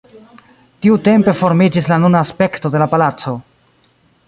Tiutempe formiĝis la nuna aspekto de la palaco.